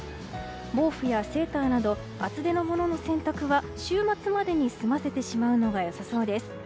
毛布やセーターなど厚手のものの洗濯は週末までに済ませてしまうのが良さそうです。